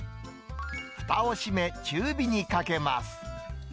ふたを閉め、中火にかけます。